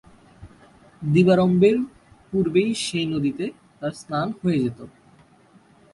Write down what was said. দিবারম্ভের পূর্বেই সেই নদীতে তাঁর স্নান হয়ে যেত।